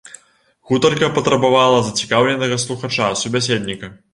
Гутарка патрабавала зацікаўленага слухача, субяседніка.